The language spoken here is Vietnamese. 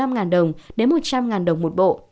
chín mươi năm ngàn đồng đến một trăm linh ngàn đồng một bộ